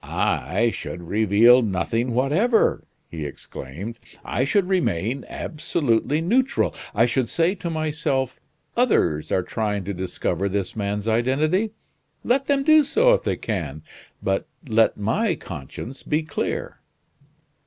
"I should reveal nothing whatever!" he exclaimed. "I should remain absolutely neutral. I should say to myself others are trying to discover this man's identity. Let them do so if they can; but let my conscience be clear."